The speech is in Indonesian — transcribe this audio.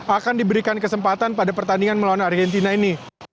akan diberikan kesempatan pada pertandingan melawan argentina ini